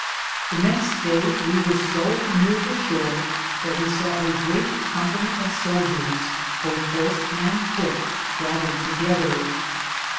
The next day we weare so neare the shore that we saw a greate company of souldiers, bothe horse and foote, gathered together.